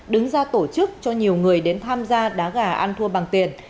đứng ra tổ chức cho nhiều người đến tham gia đá gà ăn thua bằng tiền